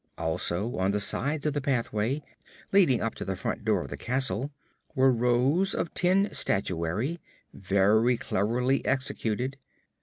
Also, on the sides of the pathway leading up to the front door of the castle, were rows of tin statuary, very cleverly executed.